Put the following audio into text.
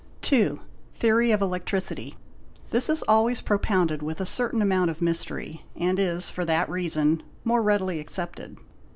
B. Theory of electricity. This is always propounded with a certain amount of mystery and is for that reason more readily accepted.